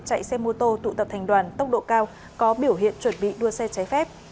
chạy xe mô tô tụ tập thành đoàn tốc độ cao có biểu hiện chuẩn bị đua xe trái phép